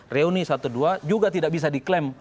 reuni satu dua juga tidak bisa diklaim